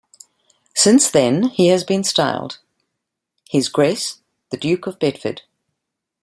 Since then has been styled His Grace The Duke of Bedford.